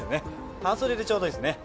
半袖でちょうどいいですね。